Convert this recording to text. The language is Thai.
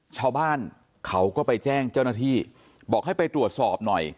ชาวบ้านเขาก็ไปแจ้งเจ้าหน้าที่บอกให้ไปตรวจสอบหน่อย